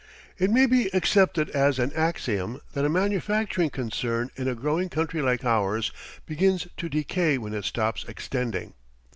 It may be accepted as an axiom that a manufacturing concern in a growing country like ours begins to decay when it stops extending.